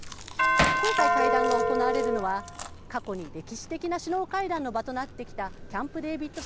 今回、会談が行われるのは過去に歴史的な首脳会談の場となってきた、キャンプ・デービッド